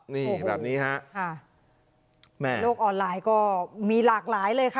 นี่แบบนี้ฮะค่ะแม่โลกออนไลน์ก็มีหลากหลายเลยค่ะ